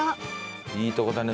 いいとこだね。